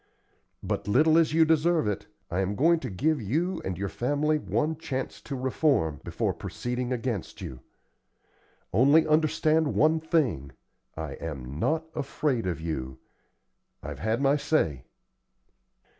But, little as you deserve it, I am going to give you and your family one chance to reform, before proceeding against you. Only understand one thing, I am not afraid of you. I've had my say."